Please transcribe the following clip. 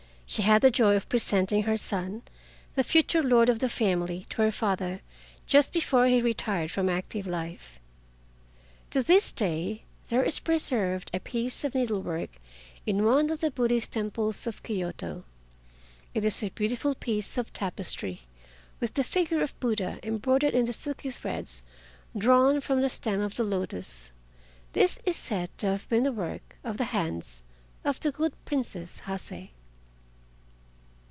She had the joy of presenting her son, the future lord of the family, to her father just before he retired from active life. To this day there is preserved a piece of needle work in one of the Buddhist temples of Kioto. It is a beautiful piece of tapestry, with the figure of Buddha embroidered in the silky threads drawn from the stem of the lotus. This is said to have been the work of the hands of the good Princess Hase.